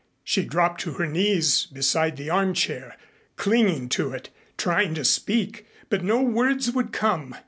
She dropped to her knees beside the armchair, clinging to it, trying to speak, but no words would come.